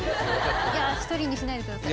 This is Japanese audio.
一人にしないでください。